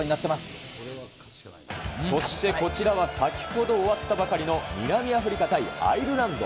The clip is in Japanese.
そして、こちらは先ほど終わったばかりの南アフリカ対アイルランド。